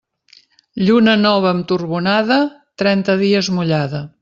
Lluna nova amb torbonada, trenta dies mullada.